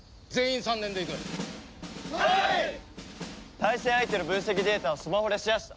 対戦相手の分析データをスマホでシェアした。